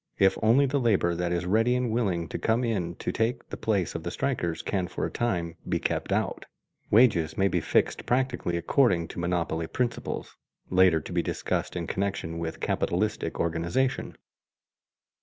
If only the labor that is ready and willing to come in to take the place of the strikers can for a time be kept out, wages may be fixed practically according to monopoly principles, later to be discussed in connection with capitalistic organization.